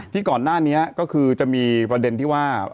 ก่อนหน้านี้ก็คือจะมีประเด็นที่ว่า